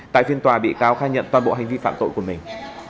tại phiên tòa bị cáo khai nhận toàn bộ hành vi phạm tội của mình